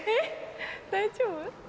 大丈夫？